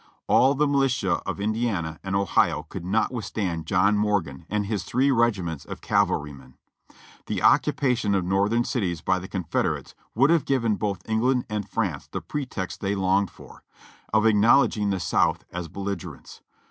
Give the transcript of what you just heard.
All the militia of Indiana and Ohio could not withstand John Morgan and his three regiments of cavalrymen. The occupation of Northern cities by the Confed erates would have given both England and France the pretext they longed for, of acknowledging the South as belligerents.